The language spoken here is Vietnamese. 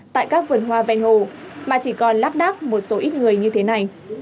tại các vườn hoa ven hồ mà chỉ còn láp đáp một số ít người như thế này